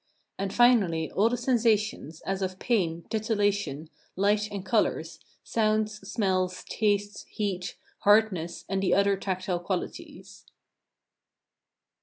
and, finally, all the sensations, as of pain, titillation, light and colours, sounds, smells, tastes, heat, hardness, and the other tactile qualities.